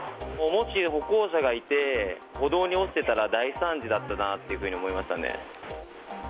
もし歩行者がいて、歩道に落ちてたら大惨事だったなっていうふうに思いましたね。